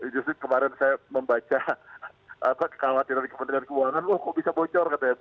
justru kemarin saya membaca kekhawatiran kepentingan keuangan loh kok bisa bocor katanya